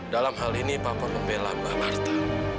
dalam hal ini papa membelain mbak marta